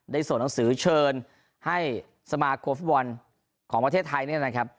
ส่งหนังสือเชิญให้สมาคมฟุตบอลของประเทศไทยเนี่ยนะครับ